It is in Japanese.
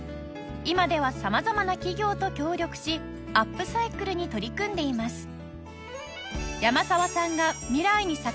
今では様々な企業と協力しアップサイクルに取り組んでいます